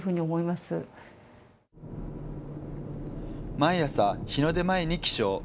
毎朝、日の出前に起床。